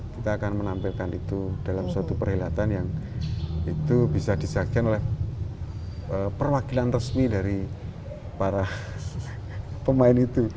kita akan menampilkan itu dalam suatu perhelatan yang itu bisa disaksikan oleh perwakilan resmi dari para pemain itu